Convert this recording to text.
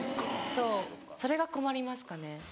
そうそれが困りますかね。